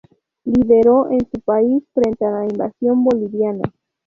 Lideró a su país frente a la invasión boliviana.